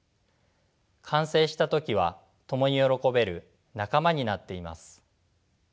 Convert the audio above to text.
完成した時は共に喜べる仲間になっています。